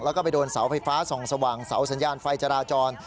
แล้วก็ไปโดนเสาไฟฟ้าส่องสว่างเสาสัญญาณไฟจราจร